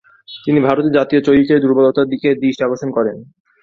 তিনি ভারতের জাতীয় চরিত্রের দুর্বলতার দিকে দৃষ্টি আকর্ষণ করেন।